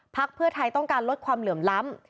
เพื่อไทยต้องการลดความเหลื่อมล้ำ